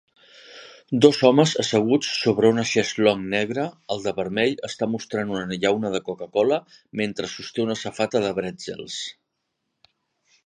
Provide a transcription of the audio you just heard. Dos homes asseguts sobre una chaiselongue negra, el de vermell està mostrant una llauna de coca-cola mentre sosté una safata de brètzels